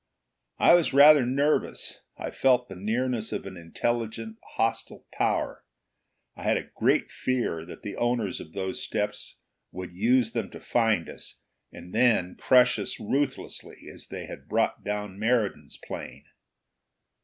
I was rather nervous. I felt the nearness of an intelligent, hostile power. I had a great fear that the owners of those steps would use them to find us, and then crush us ruthlessly as they had brought down Meriden's plane.